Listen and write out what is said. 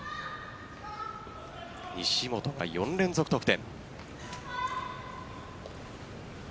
西本が４連続得点。